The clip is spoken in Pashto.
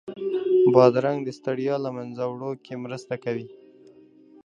بادرنګ د ستړیا له منځه وړو کې مرسته کوي.